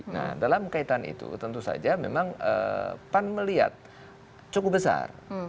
nah dalam kaitan itu tentu saja memang pan melihat cukup besar